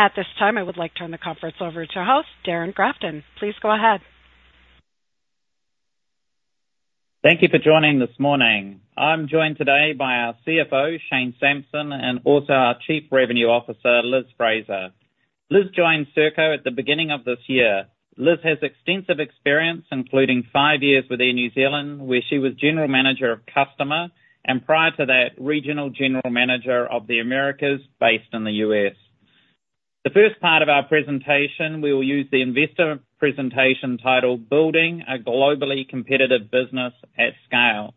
At this time, I would like to turn the conference over to our host, Darrin Grafton. Please go ahead. Thank you for joining this morning. I'm joined today by our CFO, Shane Sampson, and also our Chief Revenue Officer, Liz Fraser. Liz joined Serko at the beginning of this year. Liz has extensive experience, including five years with Air New Zealand, where she was General Manager of Customer, and prior to that, Regional General Manager of the Americas, based in the U.S. The first part of our presentation, we will use the investor presentation titled Building a Globally Competitive Business at Scale.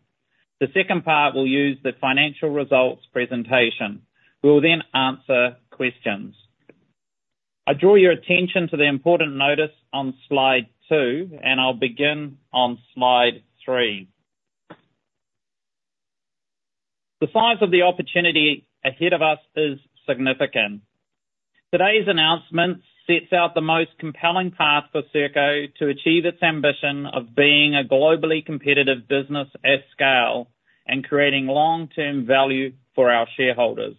The second part will use the financial results presentation. We will then answer questions. I draw your attention to the important notice on slide two, and I'll begin on slide three. The size of the opportunity ahead of us is significant. Today's announcement sets out the most compelling path for Serko to achieve its ambition of being a globally competitive business at scale and creating long-term value for our shareholders.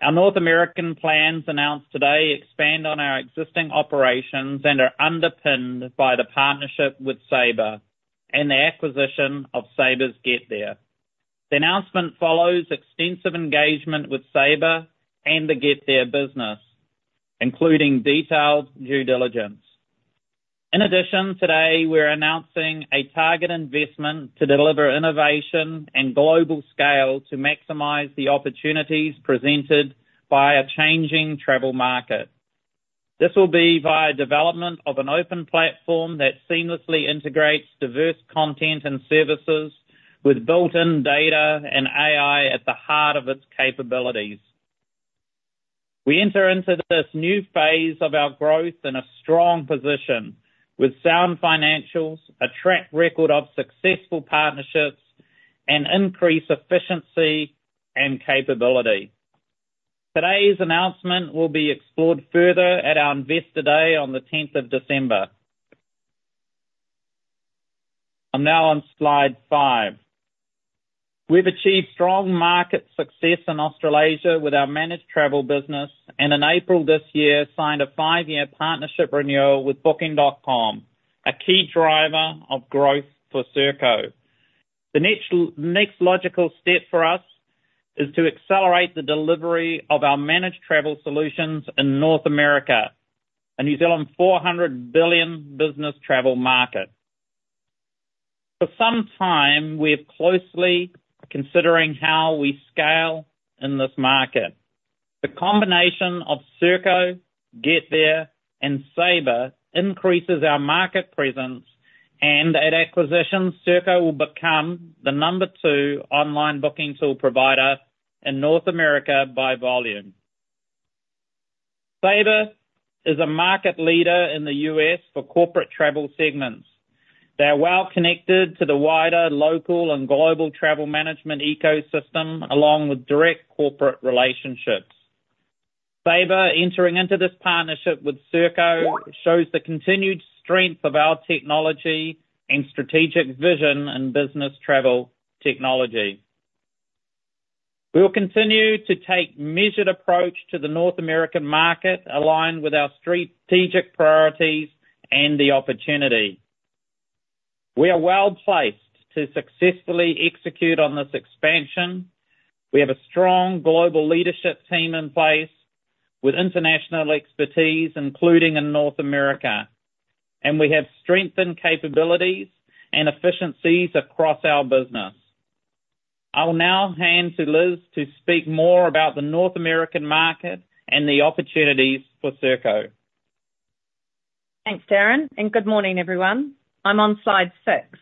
Our North American plans announced today expand on our existing operations and are underpinned by the partnership with Sabre and the acquisition of Sabre's GetThere. The announcement follows extensive engagement with Sabre and the GetThere business, including detailed due diligence. In addition, today, we're announcing a target investment to deliver innovation and global scale to maximize the opportunities presented by a changing travel market. This will be via development of an open platform that seamlessly integrates diverse content and services with built-in data and AI at the heart of its capabilities. We enter into this new phase of our growth in a strong position with sound financials, a track record of successful partnerships, and increased efficiency and capability. Today's announcement will be explored further at our Investor Day on the tenth of December. I'm now on slide five. We've achieved strong market success in Australasia with our managed travel business, and in April this year, signed a five-year partnership renewal with Booking.com, a key driver of growth for Serko. The next logical step for us is to accelerate the delivery of our managed travel solutions in North America, a $400 billion business travel market. For some time, we're closely considering how we scale in this market. The combination of Serko, GetThere, and Sabre increases our market presence, and at acquisition, Serko will become the number two online booking tool provider in North America by volume. Sabre is a market leader in the U.S. for corporate travel segments. They are well connected to the wider, local, and global travel management ecosystem, along with direct corporate relationships. Sabre entering into this partnership with Serko shows the continued strength of our technology and strategic vision in business travel technology. We will continue to take measured approach to the North American market, aligned with our strategic priorities and the opportunity. We are well placed to successfully execute on this expansion. We have a strong global leadership team in place with international expertise, including in North America, and we have strengthened capabilities and efficiencies across our business. I will now hand to Liz to speak more about the North American market and the opportunities for Serko. Thanks, Darrin, and good morning, everyone. I'm on slide six.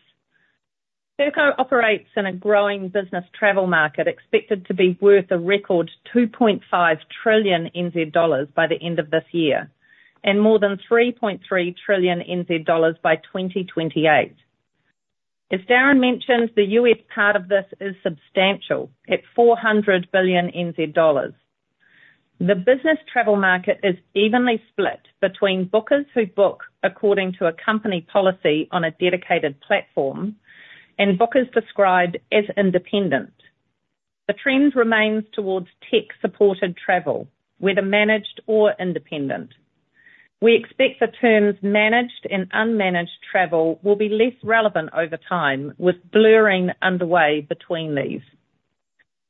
Serko operates in a growing business travel market, expected to be worth a record 2.5 trillion NZ dollars by the end of this year and more than 3.3 trillion NZ dollars by 2028. As Darrin mentioned, the U.S. part of this is substantial, at 400 billion NZ dollars. The business travel market is evenly split between bookers who book according to a company policy on a dedicated platform and bookers described as independent. The trend remains towards tech-supported travel, whether managed or independent. We expect the terms managed and unmanaged travel will be less relevant over time, with blurring underway between these.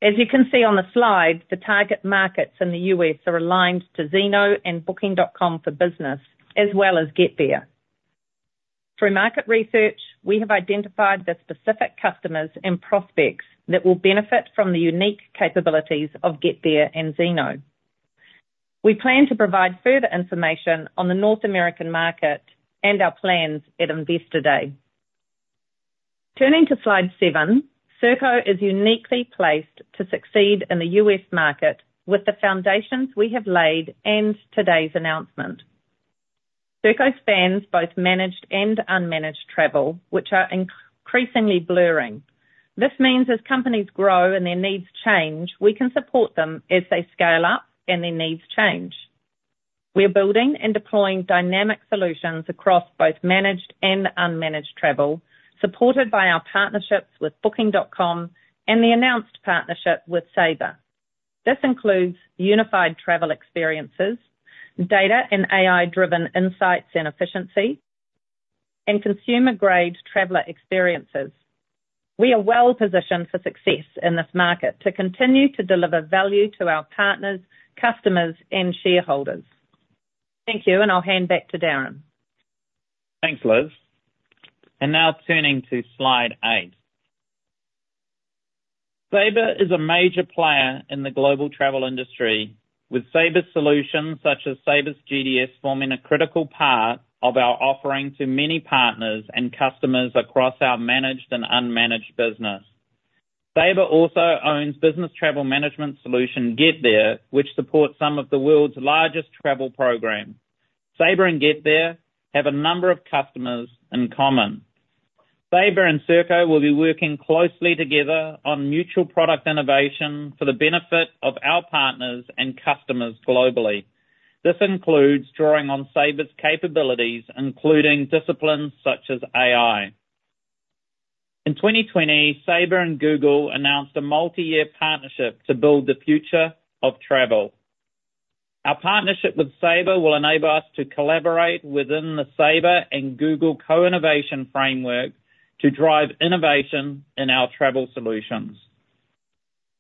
As you can see on the slide, the target markets in the U.S. are aligned to Zeno and Booking.com for Business, as well as GetThere. Through market research, we have identified the specific customers and prospects that will benefit from the unique capabilities of GetThere and Zeno. We plan to provide further information on the North American market and our plans at Investor Day. Turning to slide seven, Serko is uniquely placed to succeed in the U.S. market with the foundations we have laid and today's announcement. Serko spans both managed and unmanaged travel, which are increasingly blurring. This means as companies grow and their needs change, we can support them as they scale up and their needs change. We are building and deploying dynamic solutions across both managed and unmanaged travel, supported by our partnerships with Booking.com and the announced partnership with Sabre. This includes unified travel experiences, data and AI-driven insights and efficiency… and consumer-grade traveler experiences. We are well positioned for success in this market to continue to deliver value to our partners, customers, and shareholders. Thank you, and I'll hand back to Darrin. Thanks, Liz. Now turning to slide eight. Sabre is a major player in the global travel industry, with Sabre solutions, such as Sabre's GDS, forming a critical part of our offering to many partners and customers across our managed and unmanaged business. Sabre also owns business travel management solution GetThere, which supports some of the world's largest travel programs. Sabre and GetThere have a number of customers in common. Sabre and Serko will be working closely together on mutual product innovation for the benefit of our partners and customers globally. This includes drawing on Sabre's capabilities, including disciplines such as AI. In 2020, Sabre and Google announced a multi-year partnership to build the future of travel. Our partnership with Sabre will enable us to collaborate within the Sabre and Google co-innovation framework to drive innovation in our travel solutions.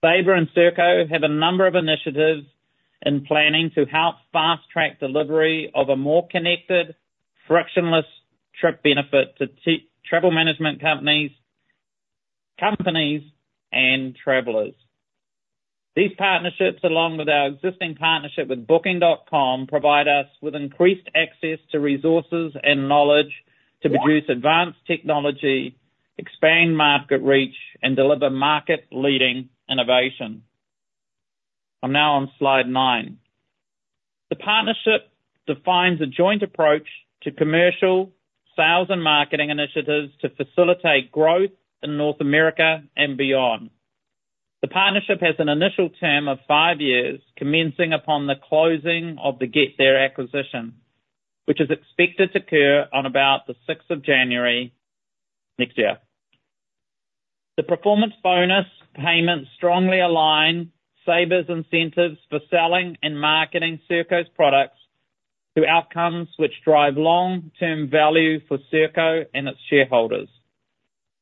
Sabre and Serko have a number of initiatives in planning to help fast-track delivery of a more connected, frictionless trip benefit to travel management companies and travelers. These partnerships, along with our existing partnership with Booking.com, provide us with increased access to resources and knowledge to produce advanced technology, expand market reach, and deliver market-leading innovation. I'm now on slide nine. The partnership defines a joint approach to commercial, sales, and marketing initiatives to facilitate growth in North America and beyond. The partnership has an initial term of five years, commencing upon the closing of the GetThere acquisition, which is expected to occur on about the sixth of January next year. The performance bonus payments strongly align Sabre's incentives for selling and marketing Serko's products to outcomes which drive long-term value for Serko and its shareholders.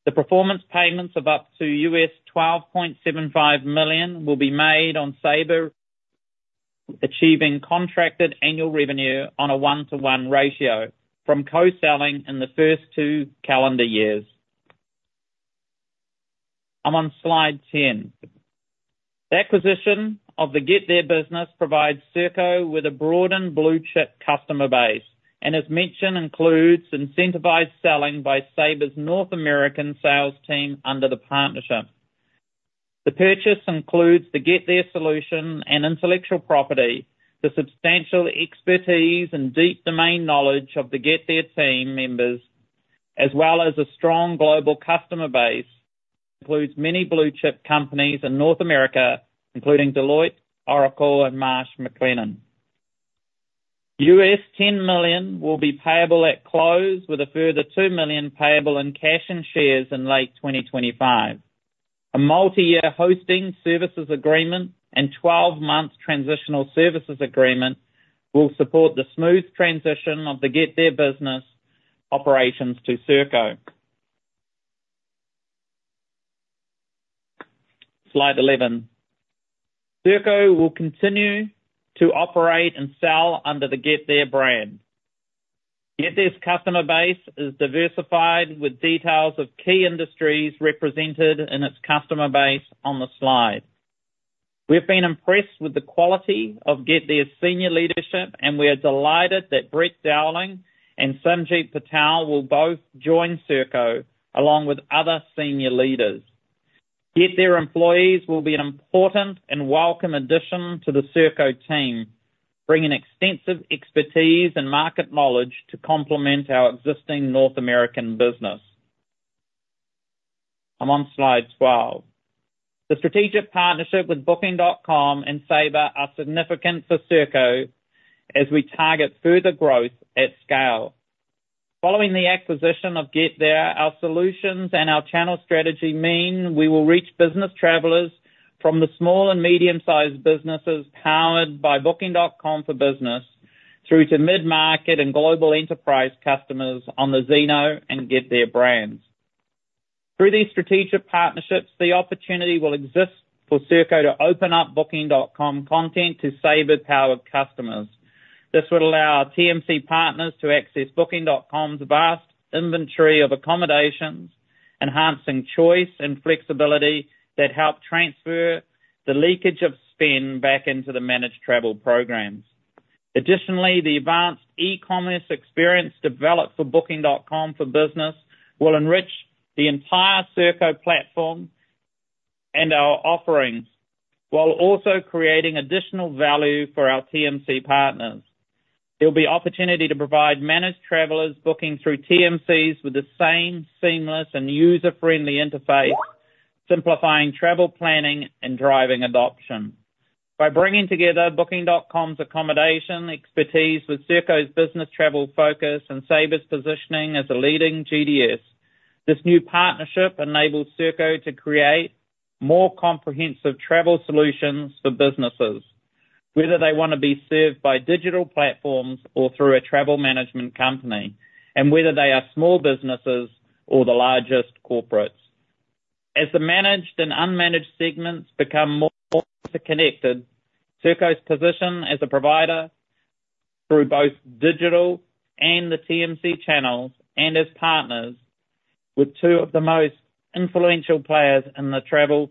The performance payments of up to $12.75 million will be made upon Sabre achieving contracted annual revenue on a one-to-one ratio from co-selling in the first two calendar years. I'm on slide 10. The acquisition of the GetThere business provides Serko with a broadened blue-chip customer base, and as mentioned, includes incentivized selling by Sabre's North American sales team under the partnership. The purchase includes the GetThere solution and intellectual property, the substantial expertise and deep domain knowledge of the GetThere team members, as well as a strong global customer base, including many blue-chip companies in North America, including Deloitte, Oracle, and Marsh McLennan. $10 million will be payable at close, with a further $2 million payable in cash and shares in late 2025. A multi-year hosting services agreement and twelve-month transitional services agreement will support the smooth transition of the GetThere business operations to Serko. Slide 11. Serko will continue to operate and sell under the GetThere brand. GetThere's customer base is diversified, with details of key industries represented in its customer base on the slide. We've been impressed with the quality of GetThere's senior leadership, and we are delighted that Brett Dowling and Simjit Patel will both join Serko, along with other senior leaders. GetThere employees will be an important and welcome addition to the Serko team, bringing extensive expertise and market knowledge to complement our existing North American business. I'm on slide 12. The strategic partnership with Booking.com and Sabre are significant for Serko as we target further growth at scale. Following the acquisition of GetThere, our solutions and our channel strategy mean we will reach business travelers from the small and medium-sized businesses powered by Booking.com for Business, through to mid-market and global enterprise customers on the Zeno and GetThere brands. Through these strategic partnerships, the opportunity will exist for Serko to open up Booking.com content to Sabre-powered customers. This would allow our TMC partners to access Booking.com's vast inventory of accommodations, enhancing choice and flexibility that help transfer the leakage of spend back into the managed travel programs. Additionally, the advanced e-commerce experience developed for Booking.com for Business will enrich the entire Serko platform and our offerings, while also creating additional value for our TMC partners. There'll be opportunity to provide managed travelers booking through TMCs with the same seamless and user-friendly interface, simplifying travel planning and driving adoption. By bringing together Booking.com's accommodation expertise with Serko's business travel focus and Sabre's positioning as a leading GDS, this new partnership enables Serko to create more comprehensive travel solutions for businesses, whether they want to be served by digital platforms or through a travel management company, and whether they are small businesses or the largest corporates. As the managed and unmanaged segments become more interconnected, Serko's position as a provider through both digital and the TMC channels, and as partners with two of the most influential players in the travel,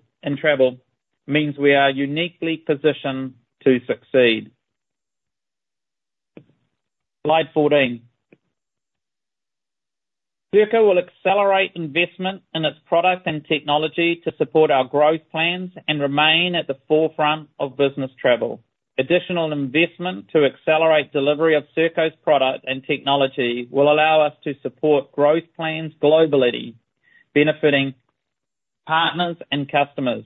means we are uniquely positioned to succeed. Slide 14. Serko will accelerate investment in its product and technology to support our growth plans and remain at the forefront of business travel. Additional investment to accelerate delivery of Serko's product and technology will allow us to support growth plans globally, benefiting partners and customers.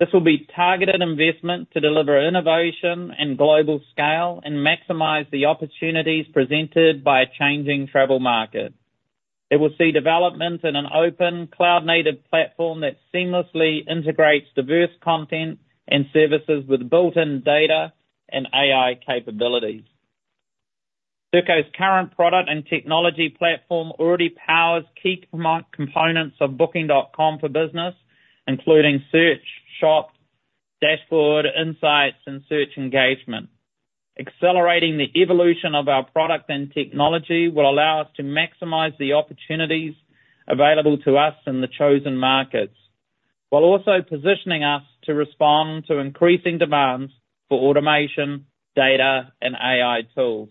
This will be targeted investment to deliver innovation and global scale, and maximize the opportunities presented by a changing travel market. It will see development in an open, cloud-native platform that seamlessly integrates diverse content and services with built-in data and AI capabilities. Serko's current product and technology platform already powers key components of Booking.com for Business, including search, shop, dashboard, insights, and search engagement. Accelerating the evolution of our product and technology will allow us to maximize the opportunities available to us in the chosen markets, while also positioning us to respond to increasing demands for automation, data, and AI tools.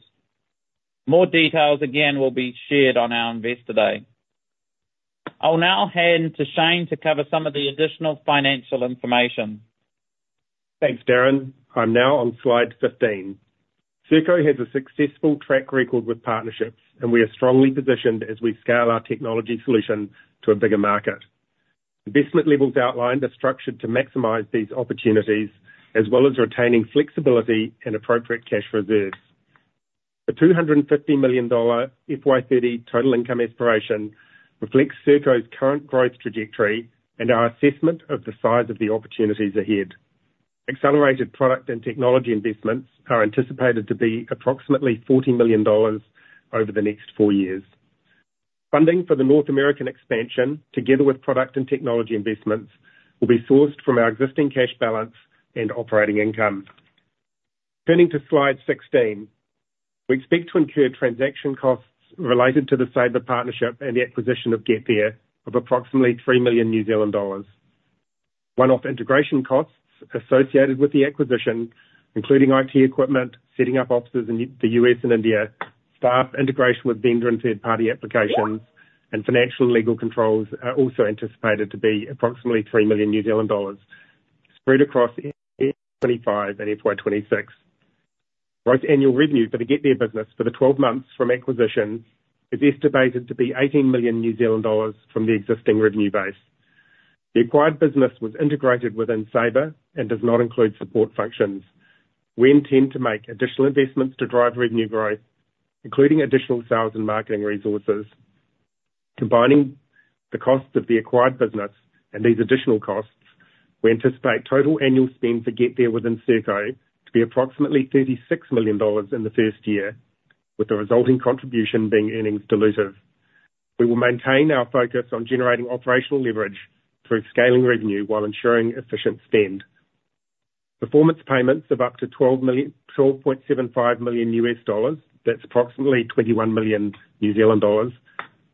More details, again, will be shared on our Investor Day. I'll now hand to Shane to cover some of the additional financial information. Thanks, Darrin. I'm now on slide 15. Serko has a successful track record with partnerships, and we are strongly positioned as we scale our technology solution to a bigger market. Investment levels outlined are structured to maximize these opportunities, as well as retaining flexibility and appropriate cash reserves. The 250 million dollar FY 2030 total income aspiration reflects Serko's current growth trajectory and our assessment of the size of the opportunities ahead. Accelerated product and technology investments are anticipated to be approximately 40 million dollars over the next four years. Funding for the North American expansion, together with product and technology investments, will be sourced from our existing cash balance and operating income. Turning to slide 16. We expect to incur transaction costs related to the Sabre partnership and the acquisition of GetThere, of approximately 3 million New Zealand dollars. One-off integration costs associated with the acquisition, including IT equipment, setting up offices in the U.S. and India, staff integration with vendor and third-party applications, and financial and legal controls, are also anticipated to be approximately 3 million New Zealand dollars spread across FY 2025 and FY 2026. Gross annual revenue for the GetThere business for the 12 months from acquisition is estimated to be 18 million New Zealand dollars from the existing revenue base. The acquired business was integrated within Sabre and does not include support functions. We intend to make additional investments to drive revenue growth, including additional sales and marketing resources. Combining the cost of the acquired business and these additional costs, we anticipate total annual spend for GetThere within Serko to be approximately 36 million dollars in the first year, with the resulting contribution being earnings dilutive. We will maintain our focus on generating operational leverage through scaling revenue while ensuring efficient spend. Performance payments of up to $12.75 million, that's approximately 21 million New Zealand dollars,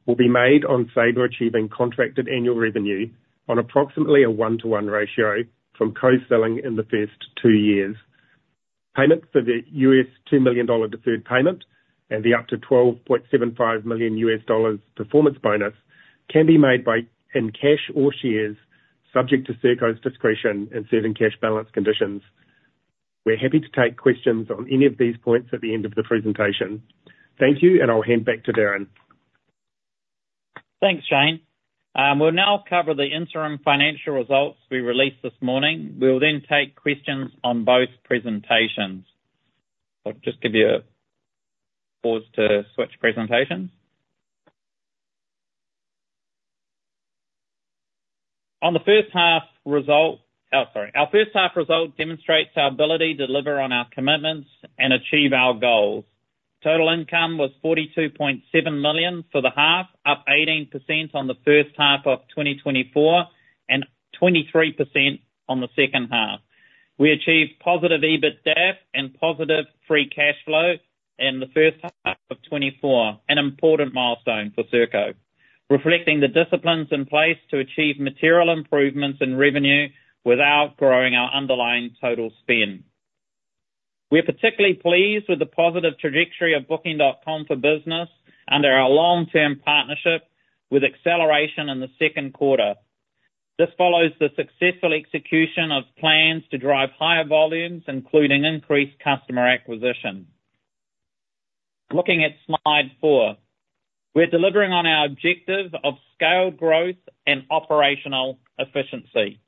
will be made on Sabre achieving contracted annual revenue on approximately a one-to-one ratio from co-selling in the first two years. Payments for the $2 million deferred payment and the up to $12.75 million performance bonus can be made in cash or shares, subject to Serko's discretion and certain cash balance conditions. We're happy to take questions on any of these points at the end of the presentation. Thank you, and I'll hand back to Darrin. Thanks, Shane. We'll now cover the interim financial results we released this morning. We will then take questions on both presentations. I'll just give you a pause to switch presentations. Our first half result demonstrates our ability to deliver on our commitments and achieve our goals. Total income was 42.7 million for the half, up 18% on the first half of 2024, and 23% on the second half. We achieved positive EBITDA and positive free cash flow in the first half of 2024, an important milestone for Serko, reflecting the disciplines in place to achieve material improvements in revenue without growing our underlying total spend. We are particularly pleased with the positive trajectory of Booking.com for Business under our long-term partnership with acceleration in the second quarter. This follows the successful execution of plans to drive higher volumes, including increased customer acquisition. Looking at Slide four, we're delivering on our objective of scaled growth and operational efficiency.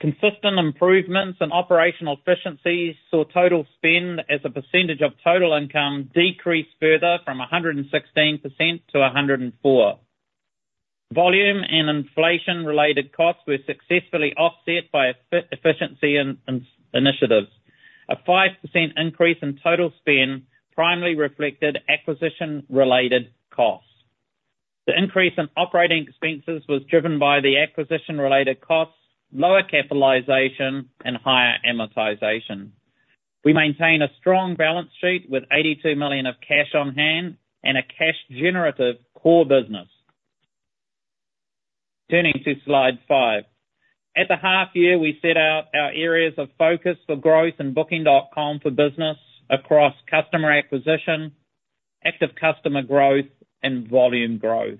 Consistent improvements in operational efficiencies saw total spend as a percentage of total income decrease further from 116% to 104%. Volume and inflation-related costs were successfully offset by efficiency and initiatives. A 5% increase in total spend primarily reflected acquisition-related costs. The increase in operating expenses was driven by the acquisition-related costs, lower capitalization, and higher amortization. We maintain a strong balance sheet with 82 million of cash on hand and a cash generative core business. Turning to Slide five. At the half year, we set out our areas of focus for growth in Booking.com for Business across customer acquisition, active customer growth, and volume growth.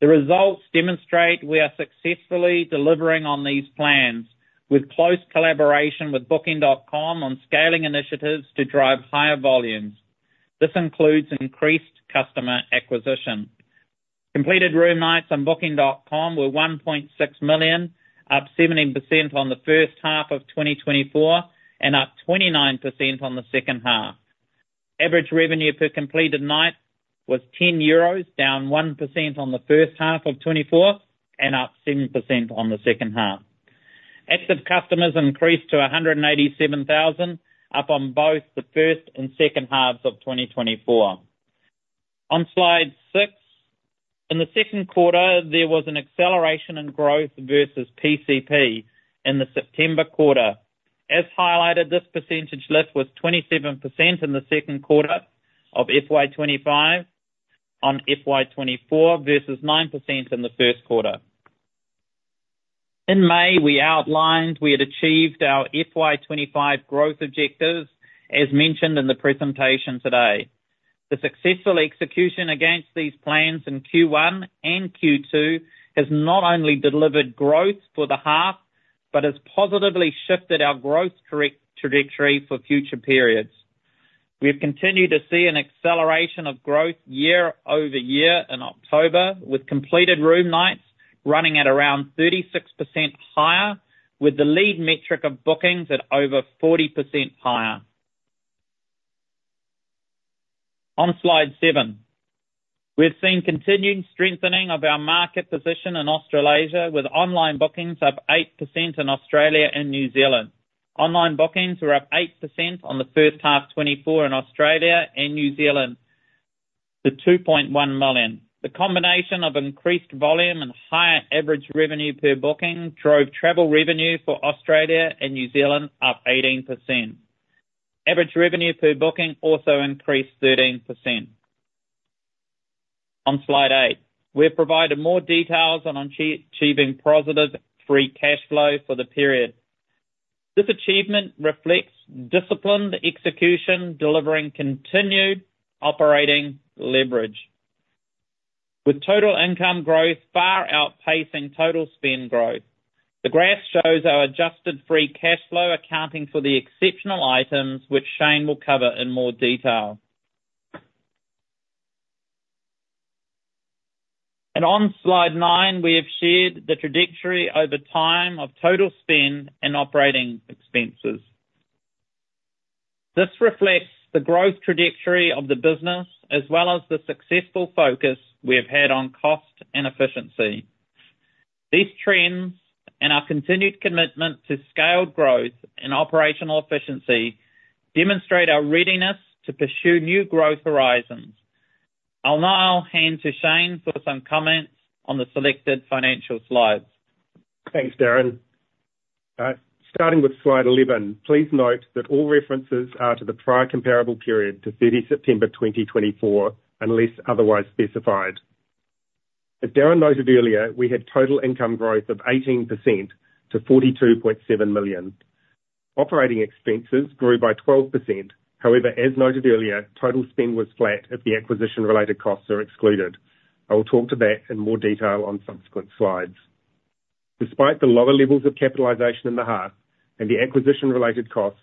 The results demonstrate we are successfully delivering on these plans with close collaboration with Booking.com on scaling initiatives to drive higher volumes. This includes increased customer acquisition. Completed room nights on Booking.com were 1.6 million, up 17% on the first half of 2024, and up 29% on the second half. Average revenue per completed night was 10 euros, down 1% on the first half of 2024, and up 7% on the second half. Active customers increased to 187,000, up on both the first and second halves of 2024. On Slide 6, in the second quarter, there was an acceleration in growth versus PCP in the September quarter. As highlighted, this percentage lift was 27% in the second quarter of FY 2025 on FY 2024, versus 9% in the first quarter. In May, we outlined we had achieved our FY 2025 growth objectives, as mentioned in the presentation today. The successful execution against these plans in Q1 and Q2 has not only delivered growth for the half, but has positively shifted our growth trajectory for future periods. We have continued to see an acceleration of growth year over year in October, with completed room nights running at around 36% higher, with the lead metric of bookings at over 40% higher. On Slide 7, we've seen continuing strengthening of our market position in Australasia, with online bookings up 8% in Australia and New Zealand. Online bookings were up 8% on the first half 2024 in Australia and New Zealand to 2.1 million. The combination of increased volume and higher average revenue per booking drove travel revenue for Australia and New Zealand up 18%. Average revenue per booking also increased 13%. On Slide 8, we have provided more details on achieving positive free cash flow for the period. This achievement reflects disciplined execution, delivering continued operating leverage, with total income growth far outpacing total spend growth. The graph shows our adjusted free cash flow, accounting for the exceptional items, which Shane will cover in more detail. And on Slide 9, we have shared the trajectory over time of total spend and operating expenses. This reflects the growth trajectory of the business, as well as the successful focus we have had on cost and efficiency. These trends, and our continued commitment to scaled growth and operational efficiency, demonstrate our readiness to pursue new growth horizons. I'll now hand to Shane for some comments on the selected financial slides. Thanks, Darrin. Starting with slide 11, please note that all references are to the prior comparable period to 30 September 2024, unless otherwise specified. As Darrin noted earlier, we had total income growth of 18% to $42.7 million. Operating expenses grew by 12%. However, as noted earlier, total spend was flat if the acquisition-related costs are excluded. I will talk to that in more detail on subsequent slides. Despite the lower levels of capitalization in the half and the acquisition-related costs,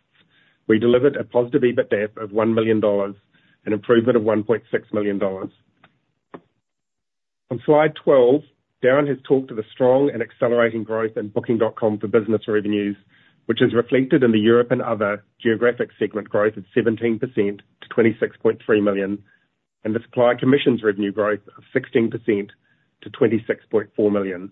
we delivered a positive EBITDA of $1 million, an improvement of $1.6 million. On Slide 12, Darrin has talked of a strong and accelerating growth in Booking.com for Business revenues, which is reflected in the Europe and other geographic segment growth of 17% to $26.3 million, and the supply commissions revenue growth of 16% to $26.4 million.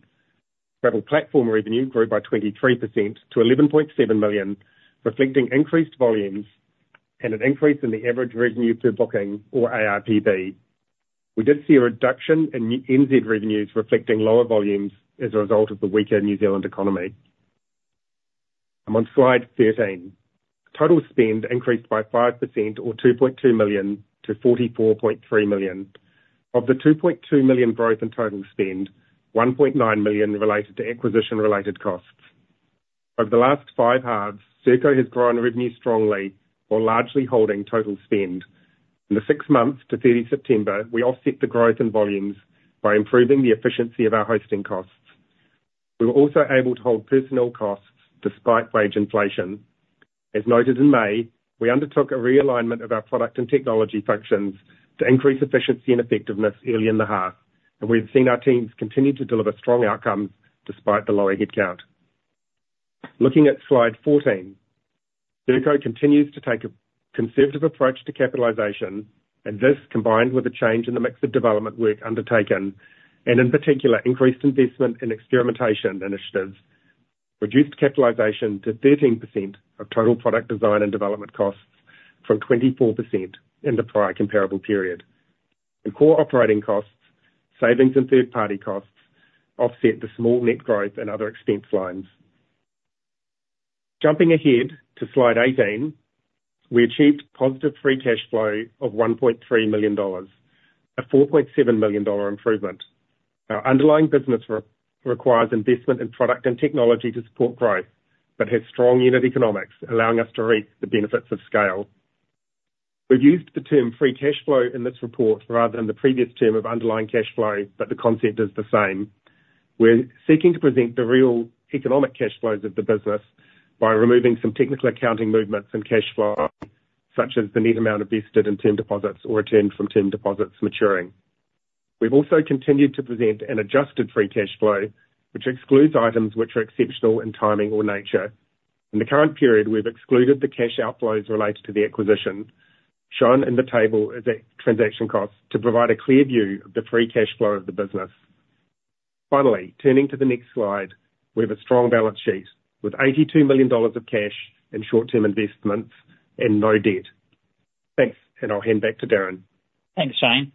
Travel platform revenue grew by 23% to $11.7 million, reflecting increased volumes and an increase in the average revenue per booking or ARPB. We did see a reduction in NZ revenues, reflecting lower volumes as a result of the weaker New Zealand economy. I'm on Slide 13. Total spend increased by 5% or $2.2 million to $44.3 million. Of the $2.2 million growth in total spend, $1.9 million related to acquisition-related costs. Over the last five halves, Serko has grown revenue strongly, while largely holding total spend. In the six months to 30 September, we offset the growth in volumes by improving the efficiency of our hosting costs. We were also able to hold personnel costs despite wage inflation. As noted in May, we undertook a realignment of our product and technology functions to increase efficiency and effectiveness early in the half, and we've seen our teams continue to deliver strong outcomes despite the lower headcount. Looking at slide 14, Serko continues to take a conservative approach to capitalization, and this, combined with a change in the mix of development work undertaken, and in particular, increased investment in experimentation initiatives, reduced capitalization to 13% of total product design and development costs, from 24% in the prior comparable period. In core operating costs, savings and third-party costs offset the small net growth in other expense lines. Jumping ahead to slide 18, we achieved positive free cash flow of $1.3 million, a $4.7 million improvement. Our underlying business requires investment in product and technology to support growth, but has strong unit economics, allowing us to reap the benefits of scale. We've used the term free cash flow in this report rather than the previous term of underlying cash flow, but the concept is the same. We're seeking to present the real economic cash flows of the business by removing some technical accounting movements and cash flow, such as the net amount invested in term deposits or returned from term deposits maturing. We've also continued to present an adjusted free cash flow, which excludes items which are exceptional in timing or nature. In the current period, we've excluded the cash outflows related to the acquisition, shown in the table as a transaction cost, to provide a clear view of the free cash flow of the business. Finally, turning to the next slide, we have a strong balance sheet with $82 million of cash and short-term investments and no debt. Thanks, and I'll hand back to Darrin. Thanks, Shane.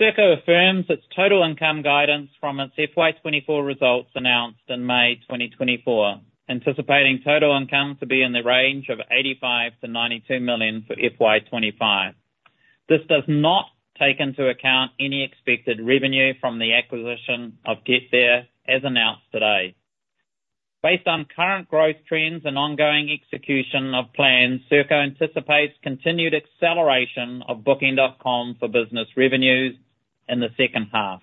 Serko affirms its total income guidance from its FY 2024 results announced in May 2024, anticipating total income to be in the range of $85 million-$92 million for FY 2025. This does not take into account any expected revenue from the acquisition of GetThere, as announced today. Based on current growth trends and ongoing execution of plans, Serko anticipates continued acceleration of Booking.com for Business revenues in the second half.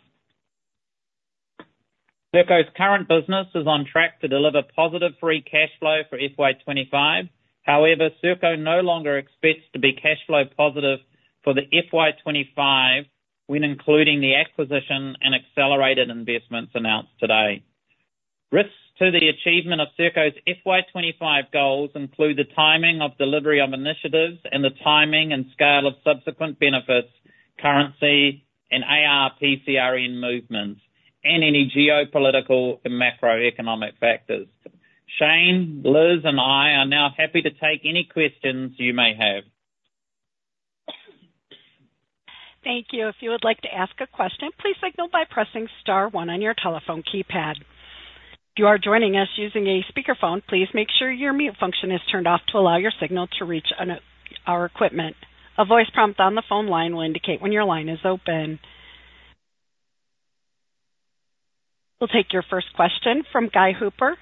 Serko's current business is on track to deliver positive free cash flow for FY 2025. However, Serko no longer expects to be cashflow positive for the FY 2025 when including the acquisition and accelerated investments announced today. Risks to the achievement of Serko's FY 2025 goals include the timing of delivery of initiatives and the timing and scale of subsequent benefits, currency and ARPB, CRN movements, and any geopolitical and macroeconomic factors. Shane, Liz, and I are now happy to take any questions you may have. Thank you. If you would like to ask a question, please signal by pressing star one on your telephone keypad. If you are joining us using a speakerphone, please make sure your mute function is turned off to allow your signal to reach our equipment. A voice prompt on the phone line will indicate when your line is open. We'll take your first question from Guy Hooper.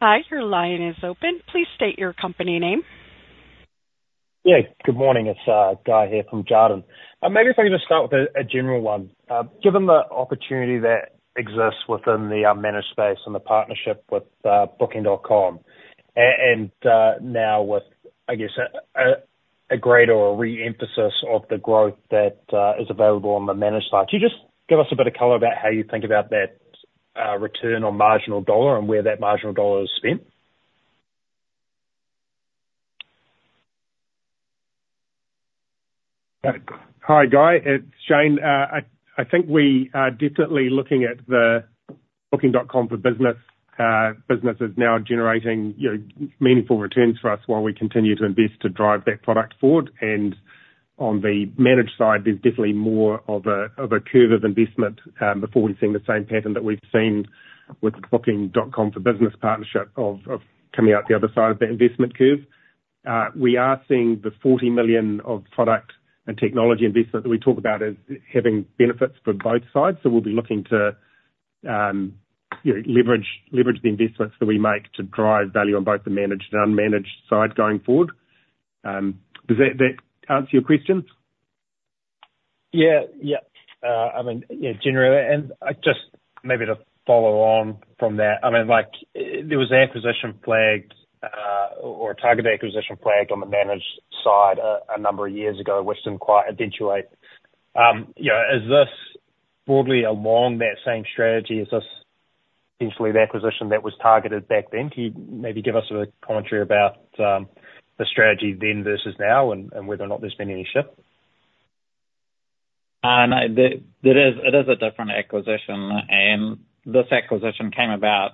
Guy, your line is open. Please state your company name. Yeah, good morning. It's Guy here from Jarden. Maybe if I could just start with a general one. Given the opportunity that exists within the managed space and the partnership with Booking.com, and now with, I guess, a greater or a re-emphasis of the growth that is available on the managed side, can you just give us a bit of color about how you think about that return on marginal dollar and where that marginal dollar is spent? Hi, Guy, it's Shane. I think we are definitely looking at the Booking.com for Business. Business is now generating, you know, meaningful returns for us while we continue to invest to drive that product forward. On the managed side, there's definitely more of a curve of investment before we've seen the same pattern that we've seen with the Booking.com for Business partnership of coming out the other side of that investment curve. We are seeing the $40 million of product and technology investment that we talk about as having benefits for both sides. So we'll be looking to, you know, leverage the investments that we make to drive value on both the managed and unmanaged side going forward. Does that answer your question? Yeah. Yeah. I mean, yeah, generally, and I just maybe to follow on from that, I mean, like, there was an acquisition flagged, or a target acquisition flagged on the managed side, a number of years ago, which didn't quite eventuate. You know, is this broadly along that same strategy? Is this essentially the acquisition that was targeted back then? Can you maybe give us a commentary about the strategy then versus now and whether or not there's been any shift? No, there is, it is a different acquisition, and this acquisition came about,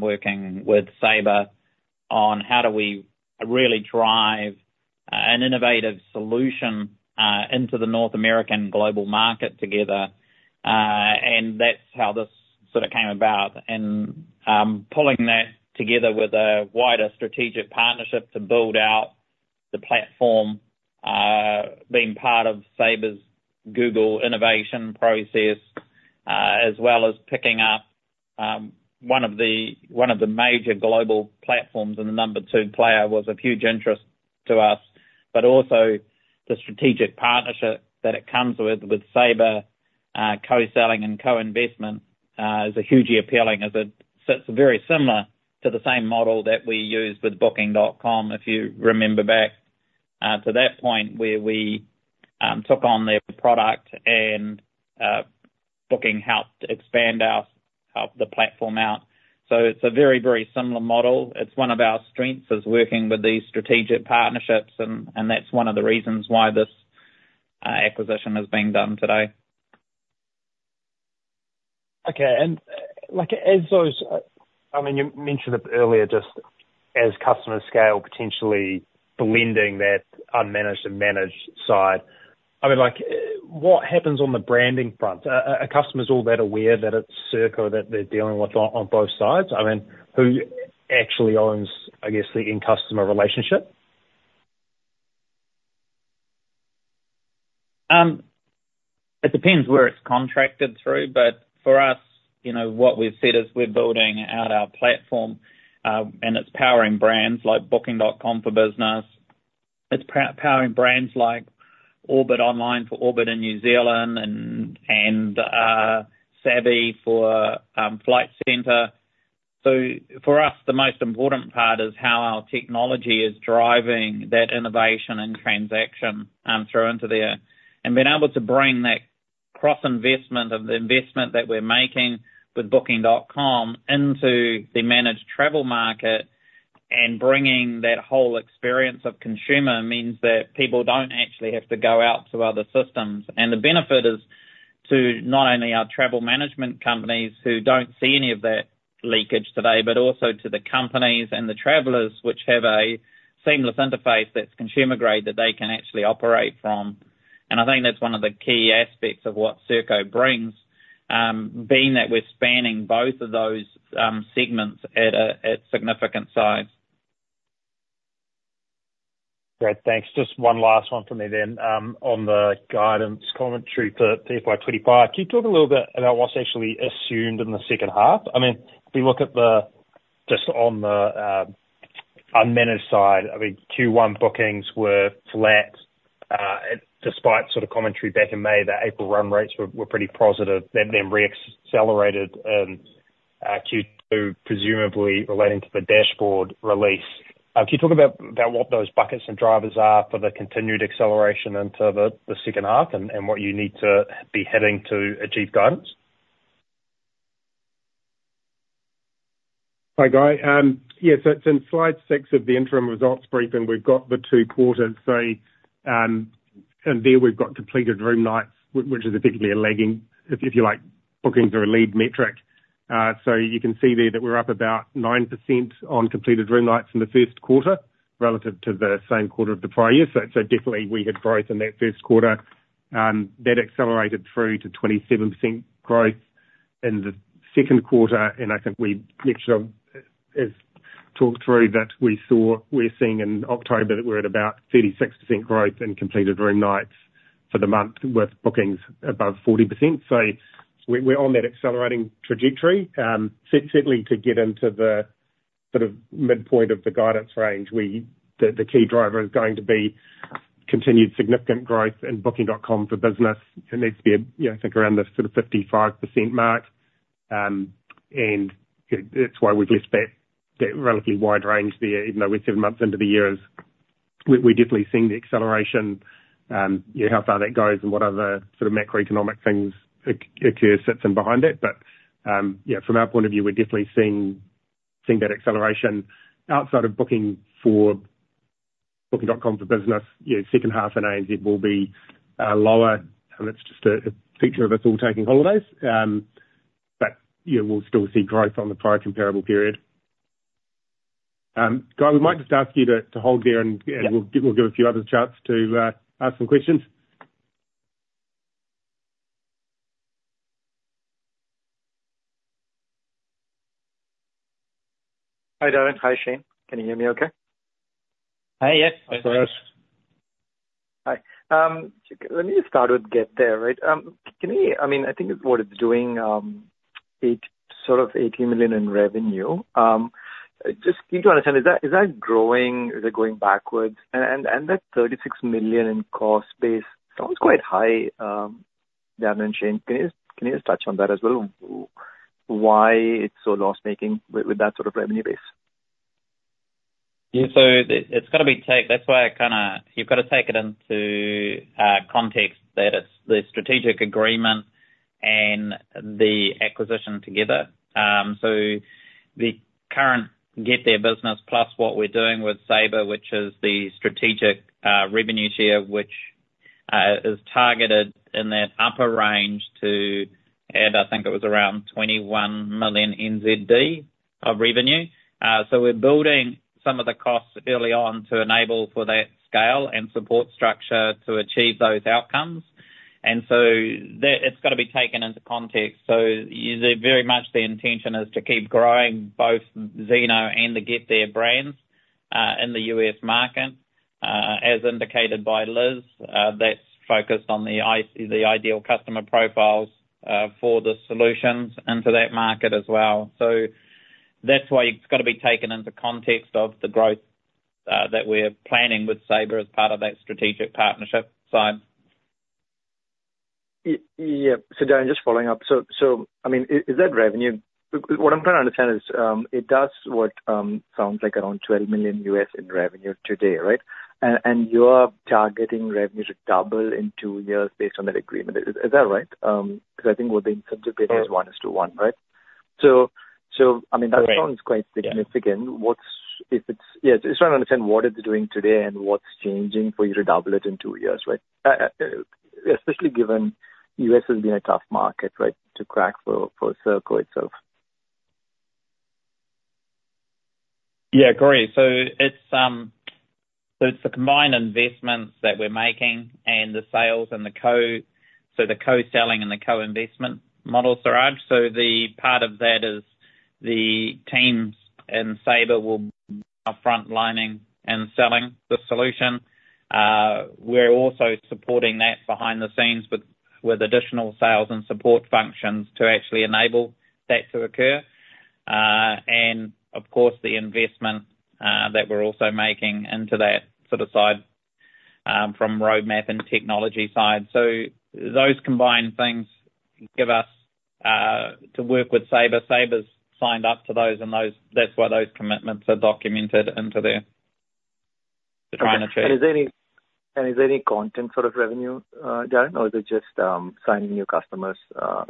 working with Sabre on how do we really drive, an innovative solution, into the North American global market together. And that's how this sort of came about. Pulling that together with a wider strategic partnership to build out the platform, being part of Sabre's Google innovation process, as well as picking up, one of the major global platforms, and the number two player was of huge interest to us. But also the strategic partnership that it comes with, with Sabre, co-selling and co-investment, is hugely appealing, as it sits very similar to the same model that we use with Booking.com, if you remember back to that point where we took on their product and Booking helped expand our, helped the platform out. So it's a very, very similar model. It's one of our strengths, is working with these strategic partnerships, and that's one of the reasons why this acquisition is being done today. Okay, and, like, as those, I mean, you mentioned it earlier, just as customer scale potentially blending that unmanaged and managed side, I mean, like, what happens on the branding front? Are, are customers all that aware that it's Serko that they're dealing with on, on both sides? I mean, who actually owns, I guess, the end customer relationship? It depends where it's contracted through, but for us, you know, what we've said is we're building out our platform, and it's powering brands like Booking.com for Business. It's powering brands like Orbit Online for Orbit in New Zealand and Savvy for Flight Centre. So for us, the most important part is how our technology is driving that innovation and transaction through into there. Being able to bring that cross-investment, of the investment that we're making with Booking.com, into the managed travel market, and bringing that whole experience of consumer, means that people don't actually have to go out to other systems. The benefit is to not only our travel management companies, who don't see any of that leakage today, but also to the companies and the travelers, which have a seamless interface that's consumer grade that they can actually operate from. I think that's one of the key aspects of what Serko brings, being that we're spanning both of those segments at a significant size. Great, thanks. Just one last one from me then. On the guidance commentary for FY twenty-five, can you talk a little bit about what's actually assumed in the second half? I mean, if you look at just on the unmanaged side, I mean, Q1 bookings were flat, despite sort of commentary back in May, the April run rates were pretty positive. They've then re-accelerated in Q2, presumably relating to the dashboard release. Can you talk about what those buckets and drivers are for the continued acceleration into the second half, and what you need to be heading to achieve guidance? Hi, Guy. Yes, so it's in slide 6 of the interim results briefing. We've got the two quarters, so, and there we've got completed room nights, which is particularly a lagging, if you like, bookings or a lead metric. So you can see there that we're up about 9% on completed room nights in the first quarter relative to the same quarter of the prior year. So definitely we had growth in that first quarter. That accelerated through to 27% growth in the second quarter, and I think we've, Mitchell has talked through that we're seeing in October that we're at about 36% growth in completed room nights for the month, with bookings above 40%. So we're on that accelerating trajectory. Certainly to get into the sort of midpoint of the guidance range, we... The key driver is going to be continued significant growth in Booking.com for Business. It needs to be, you know, I think, around the sort of 55% mark. That's why we've left that relatively wide range there, even though we're seven months into the year. We're definitely seeing the acceleration. How far that goes and what other sort of macroeconomic things occur that sits in behind it. But from our point of view, we're definitely seeing that acceleration. Outside of Booking.com for Business, you know, second half in ANZ will be lower, and that's just a picture of us all taking holidays. But you know, we'll still see growth on the prior comparable period. Guy, we might just ask you to hold there, and- Yeah. and we'll give a few others a chance to ask some questions. Hi, Darrin. Hi, Shane. Can you hear me okay? Hi, yes. Hi, Suraj. Hi. Let me just start with GetThere, right? Can you... I mean, I think it's what it's doing sort of $80 million in revenue. Just need to understand, is that growing? Is it going backwards? And that $36 million in cost base sounds quite high, Darrin and Shane. Can you just touch on that as well? Why it's so loss-making with that sort of revenue base? Yeah, so it, it's gotta be. That's why I. You've gotta take it into context, that it's the strategic agreement and the acquisition together. So the current GetThere business, plus what we're doing with Sabre, which is the strategic revenue share, which is targeted in that upper range to, and I think it was around 21 million NZD of revenue. So we're building some of the costs early on to enable for that scale and support structure to achieve those outcomes, and so that... it's gotta be taken into context. So there, very much the intention is to keep growing both Zeno and the GetThere brands in the U.S. market. As indicated by Liz, that's focused on the ideal customer profiles for the solutions into that market as well. So that's why it's gotta be taken into context of the growth that we're planning with Sabre as part of that strategic partnership side. ... Yeah. So Darrin, just following up. So, I mean, is that revenue? What I'm trying to understand is, sounds like around $12 million in revenue today, right? And you're targeting revenue to double in two years based on that agreement. Is that right? Because I think what the incentive rate is one-to-one, right? So I mean, that sounds quite significant. Yeah, just trying to understand what it's doing today and what's changing for you to double it in two years, right? Especially given U.S. has been a tough market, right, to crack for Serko itself. Yeah, great. So it's the combined investments that we're making and the sales and the co-selling and the co-investment model, Suraj. So the part of that is the teams and Sabre are frontlining and selling the solution. We're also supporting that behind the scenes with additional sales and support functions to actually enable that to occur. And of course, the investment that we're also making into that sort of side from roadmap and technology side. So those combined things give us to work with Sabre. Sabre's signed up to those, and that's why those commitments are documented into there to try and achieve. And is there any content sort of revenue, Darrin? Or is it just signing new customers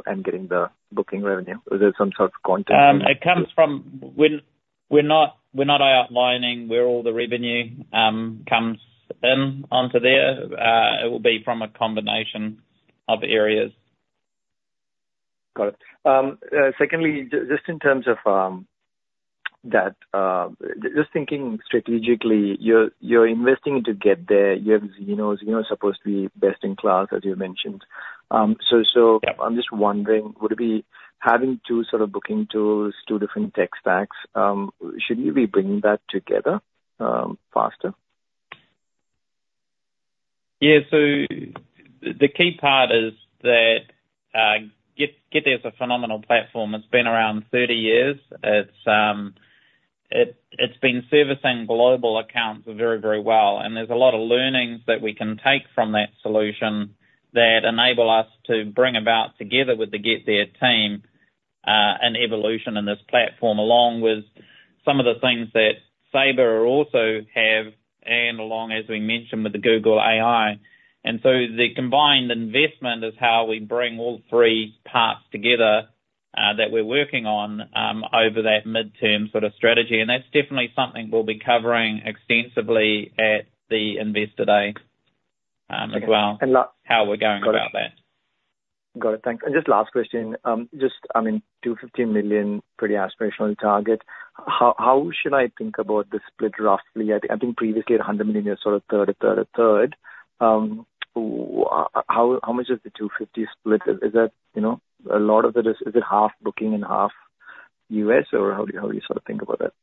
and getting the booking revenue? Is there some sort of content? It comes from. We're not outlining where all the revenue comes in onto there. It will be from a combination of areas. Got it. Secondly, just in terms of that, just thinking strategically, you're investing to GetThere. You have Zeno's. Zeno's supposed to be best in class, as you mentioned. So, so- Yeah... I'm just wondering, would it be having two sort of booking tools, two different tech stacks, should you be bringing that together, faster? Yeah. So the key part is that, GetThere is a phenomenal platform. It's been around thirty years. It's been servicing global accounts very, very well, and there's a lot of learnings that we can take from that solution that enable us to bring about, together with the GetThere team, an evolution in this platform, along with some of the things that Sabre also have and along, as we mentioned, with the Google AI. And so the combined investment is how we bring all three parts together, that we're working on, over that midterm sort of strategy. And that's definitely something we'll be covering extensively at the Investor Day, as well. Okay. How we're going about that. Got it. Thanks. And just last question, just, I mean, $250 million, pretty aspirational target. How should I think about the split roughly? I think previously $100 million years, sort of third, a third, a third. How much is the 250 split? Is that, you know, a lot of it is, is it half Booking and half U.S., or how do you sort of think about that?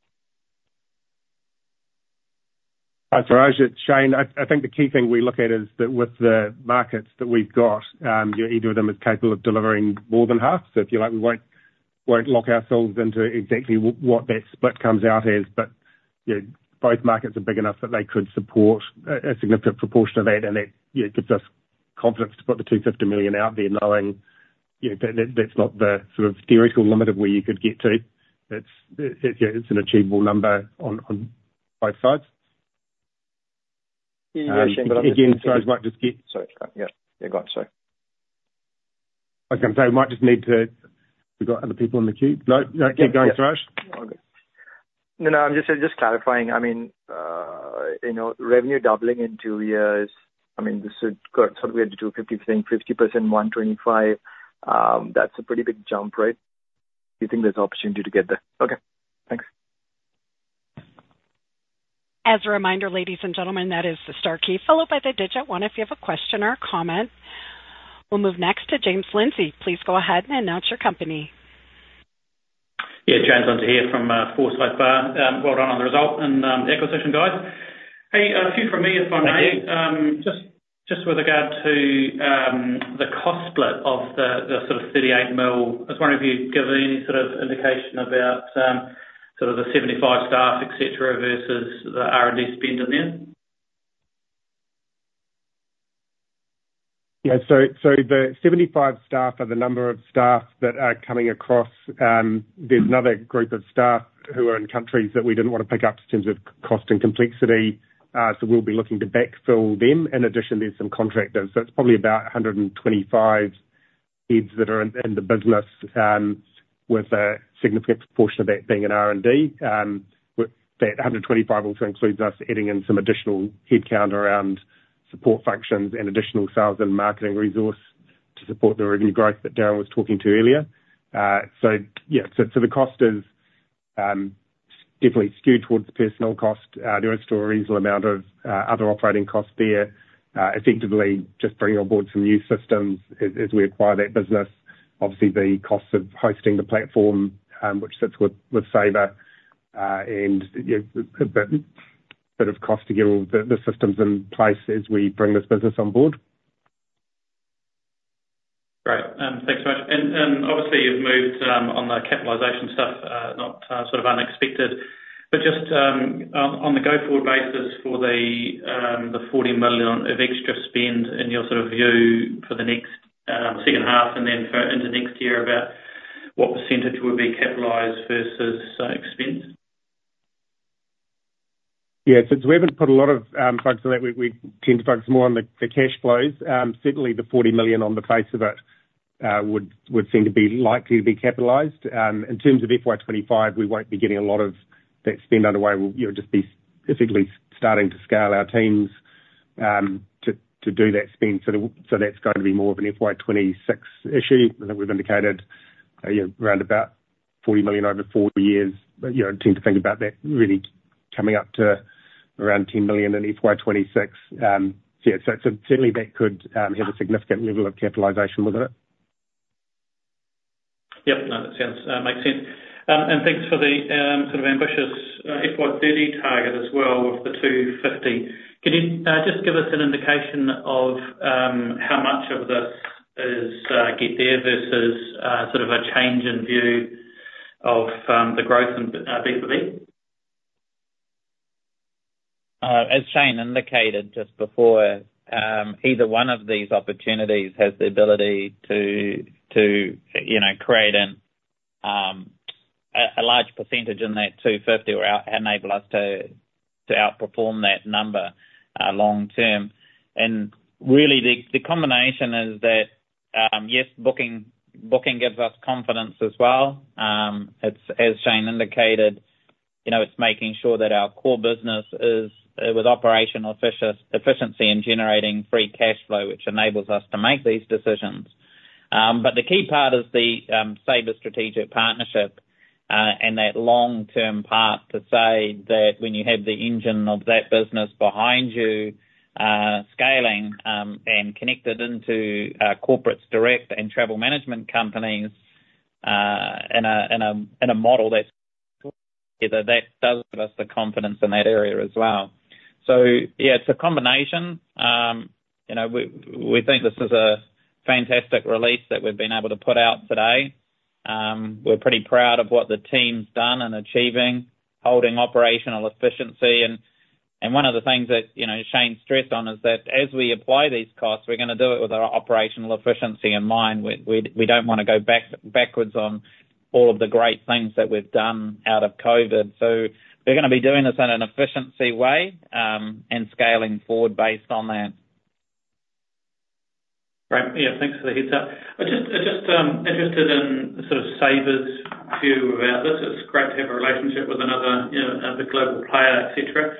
Suraj, it's Shane. I think the key thing we look at is that with the markets that we've got, either of them is capable of delivering more than half. So if you like, we won't lock ourselves into exactly what that split comes out as. But you know, both markets are big enough that they could support a significant proportion of that. And that you know, gives us confidence to put the 250 million out there knowing you know, that that's not the sort of theoretical limit of where you could get to. It's an achievable number on both sides. Yeah, Shane, but I'm just- Again, Suraj, might just get- Sorry, yeah. Yeah, go on, sorry. Okay, I'm sorry, we might just need to... We've got other people in the queue. No, no, keep going, Suraj. All good. No, no, I'm just clarifying. I mean, you know, revenue doubling in two years, I mean, this should go somewhere to 50%, saying 50%, 125. That's a pretty big jump, right? Do you think there's opportunity to get there? Okay, thanks. As a reminder, ladies and gentlemen, that is the star key, followed by the digit one if you have a question or a comment. We'll move next to James Lindsay. Please go ahead and announce your company. Yeah, James Lindsay here from Forsyth Barr. Well done on the result and the acquisition, guys. Hey, a few from me, if I may. Thank you. Just with regard to the cost split of the sort of $38 million, I was wondering if you could give any sort of indication about sort of the 75 staff, et cetera, versus the R&D spend in there? Yeah, so, so the 75 staff are the number of staff that are coming across. There's another group of staff who are in countries that we didn't want to pick up in terms of cost and complexity, so we'll be looking to backfill them. In addition, there's some contractors. So it's probably about 125 heads that are in the business, with a significant proportion of that being in R&D. That 125 also includes us adding in some additional headcount around support functions and additional sales and marketing resource to support the revenue growth that Darrin was talking to earlier. So yeah, so, so the cost is definitely skewed towards personnel cost. There is still a reasonable amount of other operating costs there. Effectively, just bringing on board some new systems as we acquire that business. Obviously, the cost of hosting the platform, which sits with Sabre, and a bit of cost to get all the systems in place as we bring this business on board. Great. Thanks so much. And obviously you've moved on the capitalization stuff, not sort of unexpected. But just on the go forward basis for the forty million of extra spend in your sort of view for the next second half, and then for into next year, about what percentage would be capitalized versus spent? Yeah. So we haven't put a lot of focus on that. We tend to focus more on the cash flows. Certainly the forty million on the face of it would seem to be likely to be capitalized. In terms of FY 2025, we won't be getting a lot of that spend underway. We'll, you know, just be specifically starting to scale our teams to do that spend. So that's going to be more of an FY 2026 issue. I think we've indicated, you know, round about forty million over four years. But, you know, I tend to think about that really coming up to around ten million in FY 2026. Yeah, so certainly that could have a significant level of capitalization with it. Yep. No, that sounds makes sense. And thanks for the sort of ambitious FY 2030 target as well, with the 250. Can you just give us an indication of how much of this is GetThere versus sort of a change in view of the growth in B2B? As Shane indicated just before, either one of these opportunities has the ability to, to, you know, create a large percentage in that two fifty, or enable us to outperform that number long term. And really the combination is that, yes, booking gives us confidence as well. It's, as Shane indicated, you know, it's making sure that our core business is with operational efficiency and generating free cash flow, which enables us to make these decisions. But the key part is the Sabre strategic partnership, and that long-term part to say that when you have the engine of that business behind you, scaling and connected into corporates direct and travel management companies, in a model that's either that does give us the confidence in that area as well, so yeah, it's a combination. You know, we think this is a fantastic release that we've been able to put out today. We're pretty proud of what the team's done in achieving, holding operational efficiency, and one of the things that, you know, Shane stressed on is that as we apply these costs, we're gonna do it with our operational efficiency in mind. We don't wanna go backwards on all of the great things that we've done out of COVID, so we're gonna be doing this in an efficiency way, and scaling forward based on that. Great. Yeah, thanks for the heads up. I'm just interested in sort of Sabre's view about this. It's great to have a relationship with another, you know, the global player, et cetera.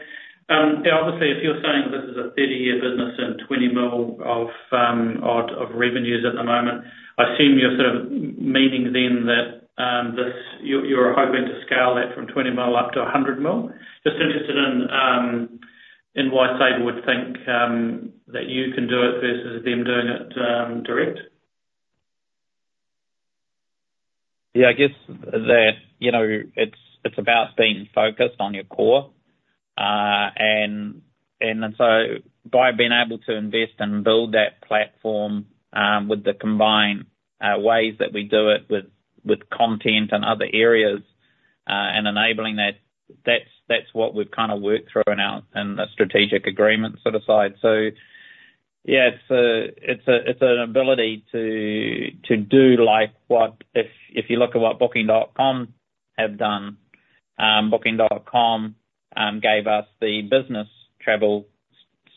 Now, obviously, if you're saying this is a thirty-year business and $20 million of revenues at the moment, I assume you're sort of meaning then that this, you're hoping to scale that from $20 million up to $100 million? Just interested in why Sabre would think that you can do it versus them doing it direct. Yeah, I guess that, you know, it's about being focused on your core. And so by being able to invest and build that platform, with the combined ways that we do it with content and other areas, and enabling that, that's what we've kind of worked through in our strategic agreement sort of side. So yeah, it's an ability to do like what—if you look at what Booking.com have done, Booking.com gave us the business travel,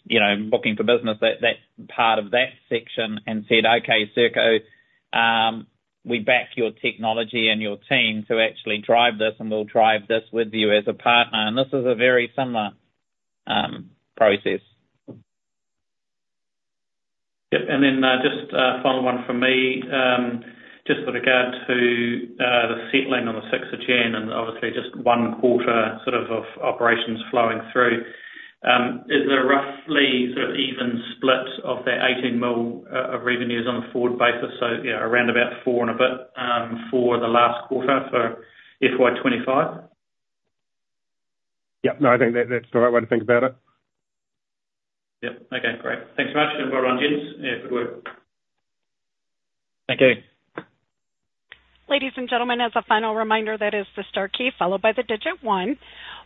you know, booking for business, that part of that section, and said, "Okay, Serko, we back your technology and your team to actually drive this, and we'll drive this with you as a partner." And this is a very similar process. Yep. And then, just a final one from me. Just with regard to, the settling on the sixth of January, and obviously just one quarter sort of, of operations flowing through, is there roughly sort of even split of that 18 mil of revenues on a forward basis? So, yeah, around about 4 and a bit, for the last quarter for FY 2025? Yep. No, I think that, that's the right way to think about it. Yep. Okay, great. Thanks very much, everyone. Yeah, good work. Thank you. Ladies and gentlemen, as a final reminder, that is the star key followed by the digit one.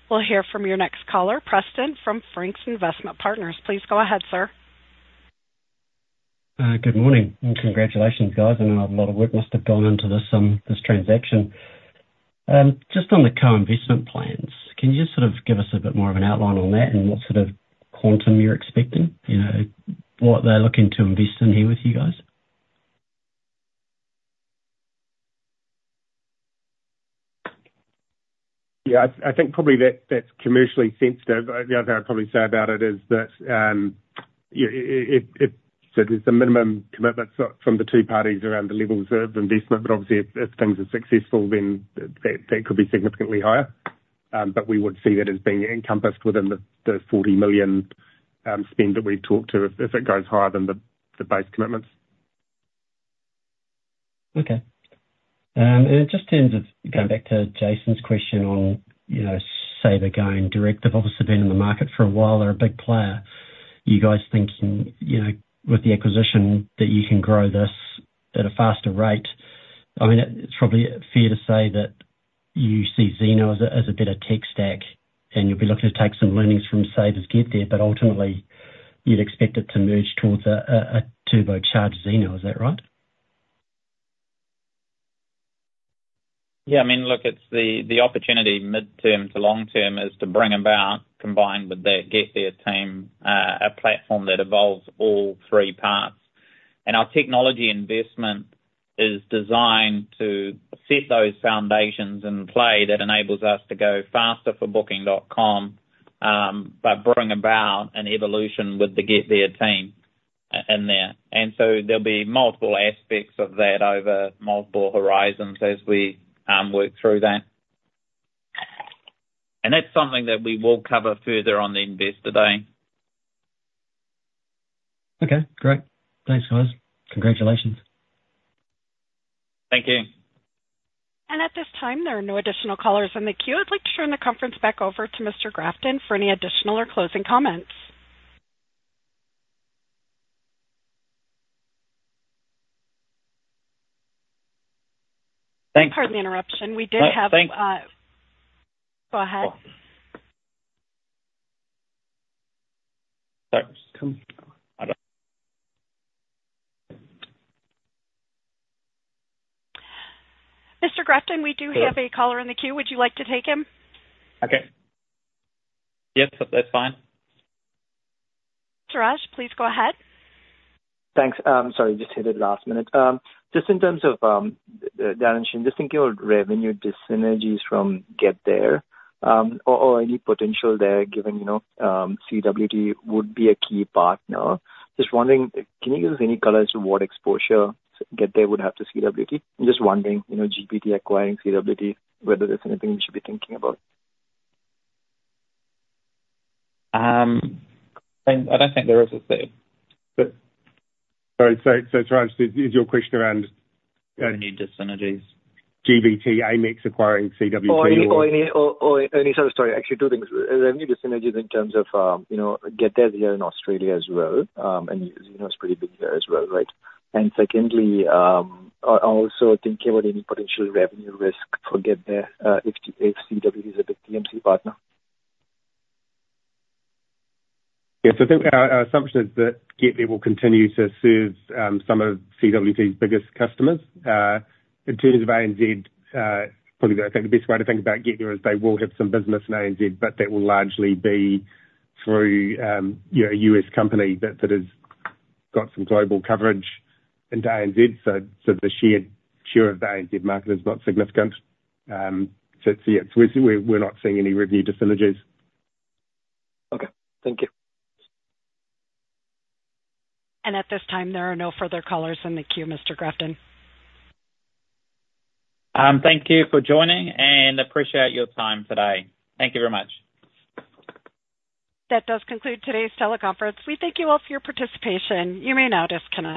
We'll hear from your next caller, Preston from Franks Investment Partners. Please go ahead, sir. Good morning, and congratulations, guys. I know a lot of work must have gone into this transaction. Just on the co-investment plans, can you just sort of give us a bit more of an outline on that, and what sort of quantum you're expecting? You know, what they're looking to invest in here with you guys. Yeah, I think probably that's commercially sensitive. The other thing I'd probably say about it is that so there's a minimum commitment from the two parties around the levels of investment, but obviously, if things are successful, then that could be significantly higher. But we would see that as being encompassed within the 40 million spend that we've talked to, if it goes higher than the base commitments. Okay. And just in terms of going back to Jason's question on, you know, Sabre going direct, they've obviously been in the market for a while. They're a big player. You guys thinking, you know, with the acquisition, that you can grow this?... at a faster rate. I mean, it, it's probably fair to say that you see Zeno as a better tech stack, and you'll be looking to take some learnings from Sabre's GetThere, but ultimately, you'd expect it to merge towards a turbocharge Zeno, is that right? Yeah, I mean, look, it's the opportunity midterm to long-term is to bring about, combined with the GetThere team, a platform that evolves all three parts. And our technology investment is designed to set those foundations in play that enables us to go faster for Booking.com, but bring about an evolution with the GetThere team in there. And so there'll be multiple aspects of that over multiple horizons as we work through that. And that's something that we will cover further on the Investor Day. Okay, great. Thanks, guys. Congratulations. Thank you. At this time, there are no additional callers in the queue. I'd like to turn the conference back over to Mr. Grafton for any additional or closing comments. Thanks- Pardon the interruption. We did have, Thanks. Go ahead. Sorry. Come- Mr. Grafton, we do have a caller in the queue. Would you like to take him? Okay. Yes, that, that's fine. Suraj, please go ahead. Thanks. Sorry, just hit it last minute. Just in terms of, Darrin, just thinking about revenue dis-synergies from GetThere, or, or any potential there, given, you know, CWT would be a key partner. Just wondering, can you give us any color as to what exposure GetThere would have to CWT? I'm just wondering, you know, GBT acquiring CWT, whether there's anything we should be thinking about. I don't think there is a- Sorry, so Suraj, is your question around- Any dis-synergies. Amex GBT acquiring CWT? Or any sort of... Sorry, actually, two things. Revenue dis-synergies in terms of, you know, GetThere here in Australia as well, and, you know, it's pretty big here as well, right? And secondly, also thinking about any potential revenue risk for GetThere, if CWT is a big TMC partner. Yes, I think our assumption is that GetThere will continue to serve some of CWT's biggest customers. In terms of ANZ, probably the best way to think about GetThere is they will have some business in ANZ, but that will largely be through you know, a U.S. company that has got some global coverage into ANZ. So the shared share of the ANZ market is not significant. So it's yeah, we're not seeing any revenue dis-synergies. Okay, thank you. At this time, there are no further callers in the queue, Mr. Grafton. Thank you for joining, and appreciate your time today. Thank you very much. That does conclude today's teleconference. We thank you all for your participation. You may now disconnect.